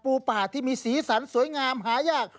ป่าที่มีสีสันสวยงามหายาก